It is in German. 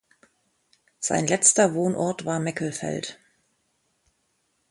Sein letzter Wohnort war Meckelfeld.